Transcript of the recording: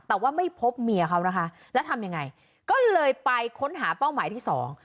แต่ว่าไม่พบเมียเขานะคะแล้วทำยังไงก็เลยไปค้นหาเป้าหมายที่สอง